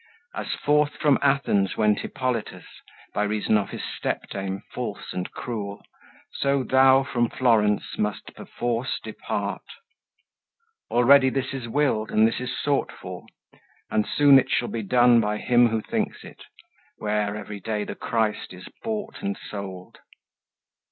As forth from Athens went Hippolytus, By reason of his step dame false and cruel, So thou from Florence must perforce depart. Already this is willed, and this is sought for; And soon it shall be done by him who thinks it, Where every day the Christ is bought and sold.